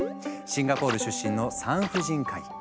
シンガポール出身の産婦人科医。